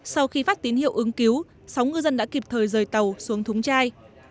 sau khi phát tín hiệu ứng cứu sáu ngư dân đã kịp thời rời tàu xuống thúng chai